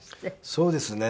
そうですね。